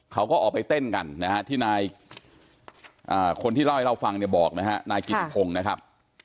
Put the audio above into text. เขาก็ออกไปเต้นกันนะฮะที่นายคนที่เล่าให้เราฟังเนี่ยบอกนะฮะนายกิติพงศ์นะครับ